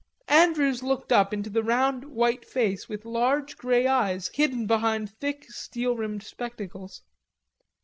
Andrews looked up into a round, white face with large grey eyes hidden behind thick steel rimmed spectacles.